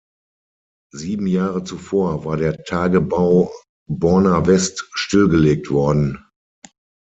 Sieben Jahre zuvor war der Tagebau Borna-West stillgelegt worden.